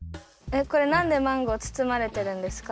これなんでマンゴーつつまれてるんですか？